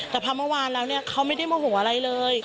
แต่พอเมื่อวานแล้วเนี่ยเขาไม่ได้โมโหอะไรเลย